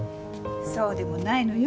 そうでもないのよ。